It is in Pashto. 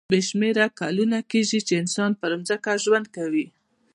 بې شمېره کلونه کېږي چې انسان پر ځمکه ژوند کوي.